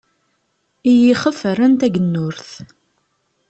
I yixef, rran tagennurt.